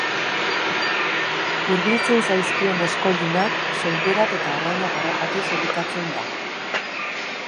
Hurbiltzen zaizkion oskoldunak, soinberak eta arrainak harrapatuz elikatzen da.